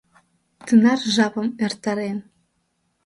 Тынар жапым эртарен